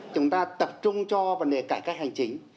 chúng ta tập trung cho vấn đề cải cách hành chính